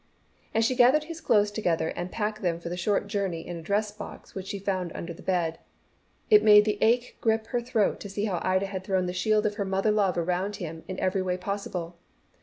As she gathered his clothes together and packed them for the short journey in a dress box which she found under the bed, it made an ache grip her throat to see how Ida had thrown the shield of her mother love around him in every way possible.